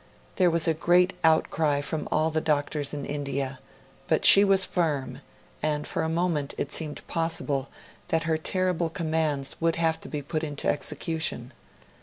There was a great outcry from all the doctors in India, but she was firm; and for a moment it seemed possible that her terrible commands would have to be put into execution.